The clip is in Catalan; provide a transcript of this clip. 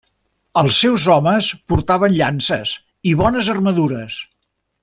Els seus homes portaven llances i bones armadures.